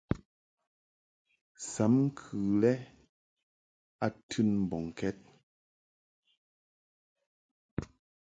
Sam ŋkɨ lɛ a tɨn mbɔŋkɛd.